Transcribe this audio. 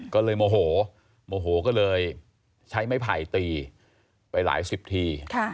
ก็เลยโมโหโมโหก็เลยใช้ไม้ไผ่ตีไปหลายสิบที